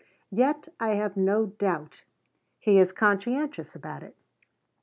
Yet I have no doubt he is "conscientious" about it.